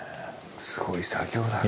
すごい作業だね。